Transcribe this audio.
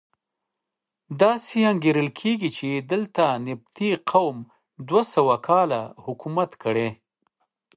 داسې انګېرل کېږي چې دلته نبطي قوم دوه سوه کاله حکومت کړی.